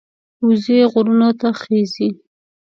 وزې غرونو ته خېژي